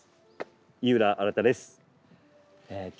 井浦新です。